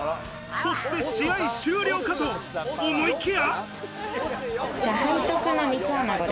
そして試合終了かと思いきや。